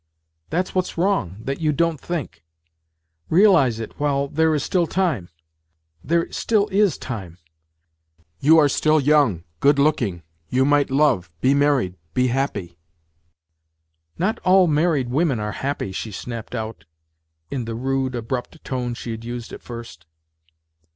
'' That's what's wrong, that you don't think. Realize it while there is still time. There still is time. You are still young, good looking; you might love, be married, be happy. ..."" Not all married women are happy," she snapped out in the rude abrupt tone she had used at first.